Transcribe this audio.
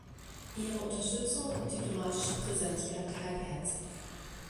Ihre Unterstützung und diplomatische Präsenz bleibt halbherzig.